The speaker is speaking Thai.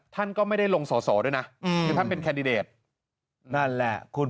ท่านก็ไม่ได้ลงสอสอด้วยนะคือท่านเป็นแคนดิเดตนั่นแหละคุณ